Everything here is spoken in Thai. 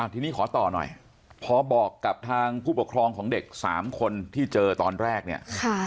ทีนี้ขอต่อหน่อยพอบอกกับทางผู้ปกครองของเด็ก๓คนที่เจอตอนแรกเนี่ย